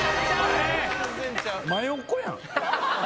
真横やん。